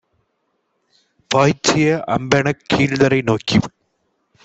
பாய்ச்சிய அம்பெனக் கீழ்த்தரை நோக்கிப்